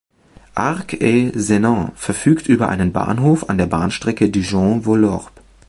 Arc-et-Senans verfügt über einen Bahnhof an der Bahnstrecke Dijon–Vallorbe.